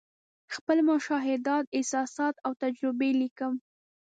خپل مشاهدات، احساسات او تجربې لیکم.